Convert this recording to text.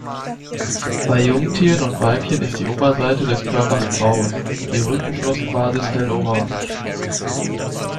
Bei Jungtieren und Weibchen ist die Oberseite des Körpers braun, die Rückenflossenbasis hell orange.